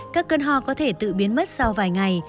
các cơn ho có thể tự biến mất sau vài ngày